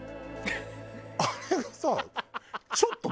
あれがさ